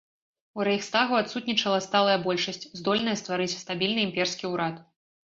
У рэйхстагу адсутнічала сталая большасць, здольная стварыць стабільны імперскі ўрад.